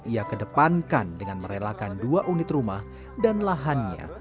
ia kedepankan dengan merelakan dua unit rumah dan lahannya